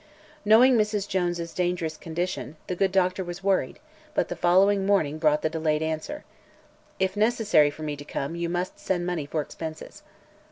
Knowing Mrs. Jones' dangerous condition, the good doctor was worried, but the following morning brought the delayed answer: "If necessary for me to come, you must send money for expenses."